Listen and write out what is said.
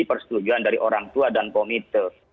persetujuan dari orang tua dan komite